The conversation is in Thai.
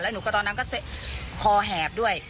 และหนูตอนนั้นก็คอแหบด้วย